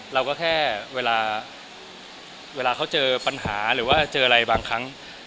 เราก็แค่เวลาเวลาเขาเจอปัญหาหรือว่าเจออะไรบางครั้ง